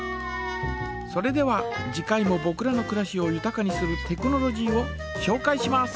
それでは次回もぼくらのくらしをゆたかにするテクノロジーをしょうかいします。